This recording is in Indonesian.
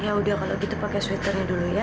ya udah kalau gitu pakai sweaternya dulu ya